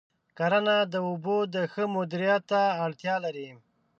کرنه د اوبو د ښه مدیریت ته اړتیا لري.